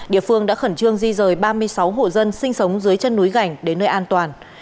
địa phương đã khẩn trương di rời ba mươi sáu hộ dân sinh sống dưới chân núi gành đến nơi an toàn